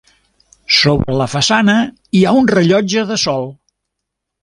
Sobre la façana hi ha un rellotge de sol.